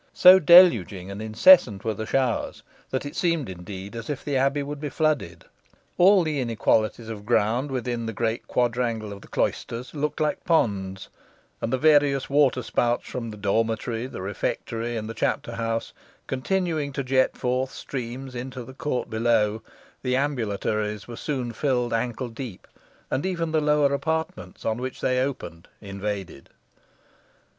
So deluging and incessant were the showers, that it seemed, indeed, as if the abbey would be flooded. All the inequalities of ground within the great quadrangle of the cloisters looked like ponds, and the various water spouts from the dormitory, the refectory, and the chapter house, continuing to jet forth streams into the court below, the ambulatories were soon filled ankle deep, and even the lower apartments, on which they opened, invaded.